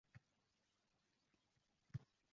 U bois tanamga tatimas sog’liq